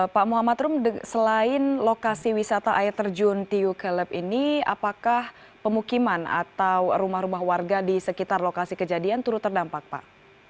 pak muhammad rum selain lokasi wisata air terjun tiu keleb ini apakah pemukiman atau rumah rumah warga di sekitar lokasi kejadian turut terdampak pak